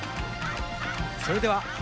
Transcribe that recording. それでは。